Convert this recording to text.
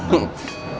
gak maksudnya murah